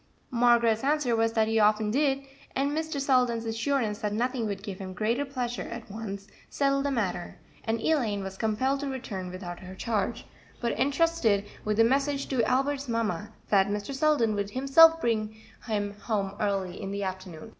Margaret's answer was that he often did, and Mr. Selden's assurance that nothing would give him greater pleasure at once settled the matter, and Elaine was compelled to return without her charge, but entrusted with the message to Albert's mamma that Mr. Selden would himself bring him home early in the afternoon.